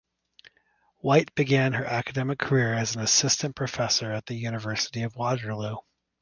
White began her academic career as an assistant professor at the University of Waterloo.